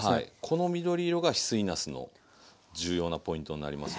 この緑色が翡翠なすの重要なポイントになりますので。